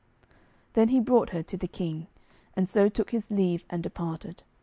Then he brought her to the King, and so took his leave and departed.